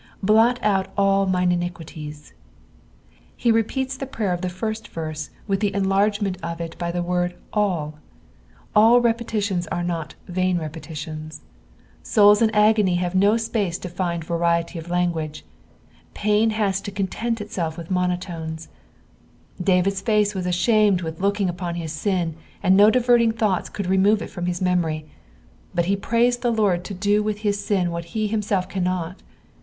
''Blot out all tains inigiiUieM." He repeats the prayer of the first verse with the enlargement of it by the word "all." All repetitions are no agony have no space to find variety of language : monotones. David's face was ashamed witti looking on his sin, aud no diverting thoughts could remove it from his memory ; but he prays the Lord to do with his SID what he himself cannot.